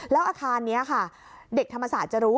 แล้วอาคารนี้ค่ะเด็กธรรมศาสตร์จะรู้